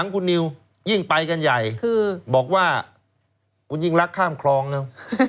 คุณนิวยิ่งไปกันใหญ่คือบอกว่าคุณยิ่งรักข้ามคลองแล้ว